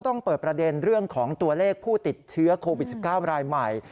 ต้องเปิดประเด็นเรื่องของตัวเลขผู้ติดเชื้อโควิด๑๙รายใหม่